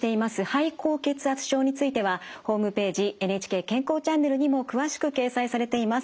肺高血圧症についてはホームページ「ＮＨＫ健康チャンネル」にも詳しく掲載されています。